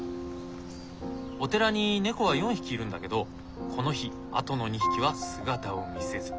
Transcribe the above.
お寺に猫は４匹いるんだけどこの日あとの２匹は姿を見せず。